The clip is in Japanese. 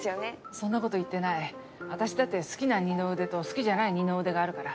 そんなこと言ってない私だって好きな二の腕と好きじゃない二の腕があるから。